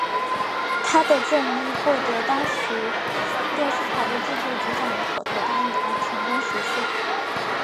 他的建议获得当时电视台的制作局长的口头答应而成功实现。